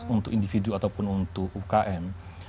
untuk individu ataupun untuk ukm